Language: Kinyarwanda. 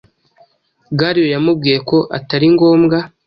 Galiyo yamubwiye ko atari ngombwa.